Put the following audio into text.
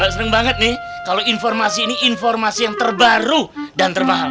seneng banget nih kalau informasi ini informasi yang terbaru dan termahal